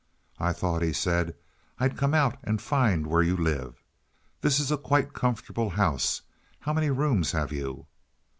"I thought," he said, "I'd come out and find where you live. This is a quite comfortable house. How many rooms have you?"